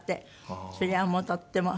それはもうとっても。